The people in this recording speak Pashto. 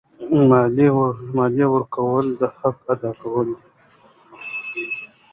د مالیې ورکول د حق ادا کول دي.